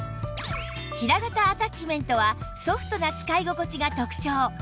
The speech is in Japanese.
平型アタッチメントはソフトな使い心地が特長